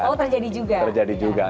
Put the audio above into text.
oh terjadi juga